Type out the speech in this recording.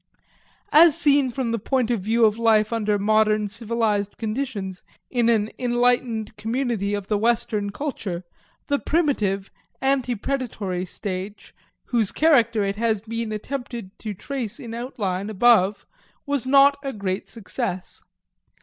As seen from the point of view of life under modern civilized conditions in an enlightened community of the Western culture, the primitive, ante predatory savage, whose character it has been attempted to trace in outline above, was not a great success.